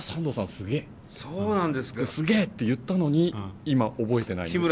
すげえすげえって言ったのに今覚えてないんです。